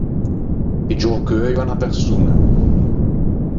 Piggiâ o cheuio à unna persoña.